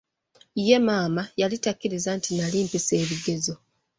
Ye Maama yali takiriza nti nali mpise ebigezo.